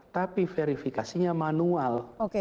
tapi verifikasinya manual